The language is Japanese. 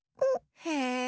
へえ！